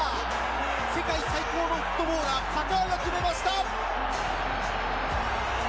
世界最高のフットボーラー、カカが決めました！